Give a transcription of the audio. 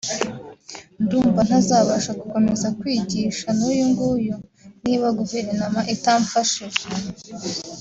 ndumva ntazabasha gukomeza kwigisha n’uyunguyu niba Guverinoma itamfashije